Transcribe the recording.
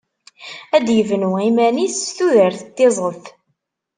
Ad d-yebnu iman-is s tudert n tiẓedt.